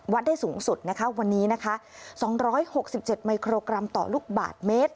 ได้สูงสุดนะคะวันนี้นะคะ๒๖๗มิโครกรัมต่อลูกบาทเมตร